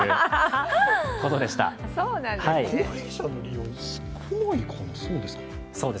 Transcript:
高齢者の利用が少ないかな、そうですか。